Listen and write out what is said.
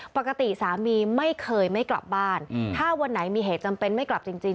ปกติสามีไม่เคยไม่กลับบ้านถ้าวันไหนมีเหตุจำเป็นไม่กลับจริง